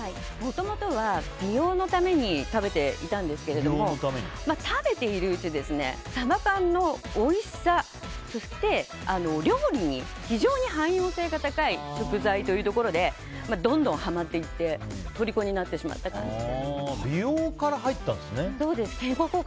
もともとは美容のために食べていたんですけど食べているうちにサバ缶のおいしさそして、料理に非常に汎用性が高い食材ということでどんどんハマっていってとりこになってしまった感じです。